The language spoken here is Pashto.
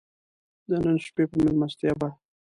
د نن شپې په مېلمستیا به.